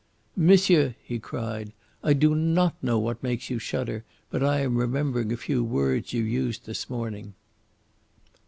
"Monsieur!" he cried, "I do not know what makes you shudder; but I am remembering a few words you used this morning."